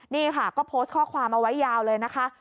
นี่ค่ะก็โพสต์ข้อความเอาไว้ยาวเลยนะคะ